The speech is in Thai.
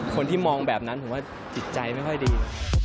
คนที่มองแบบนั้นผมว่าจิตใจไม่ค่อยดี